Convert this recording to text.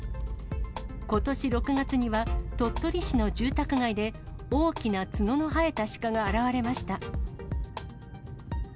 ことし６月には、鳥取市の住宅街で、大きな角の生えたシカが現れました。